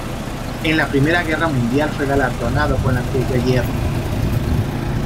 En la Primera Guerra Mundial fue galardonado con la Cruz de Hierro.